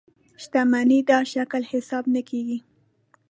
شتمنۍ دا شکل حساب نه کېږي.